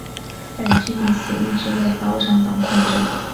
本区议席一直为保守党控制。